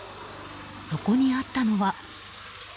そこにあったのは。